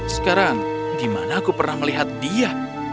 sekarang dimana aku pernah melihat dia